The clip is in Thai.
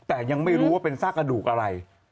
แต่ยังไม่รู้ว่าเป็นซากกระดูกอะไร